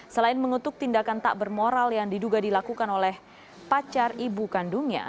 selain mengutuk tindakan tak bermoral yang diduga dilakukan oleh pacar ibu kandungnya